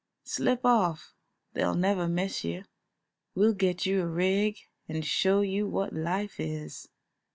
Slip off, they'll never miss you; we'll get you a rig, and show you what life is."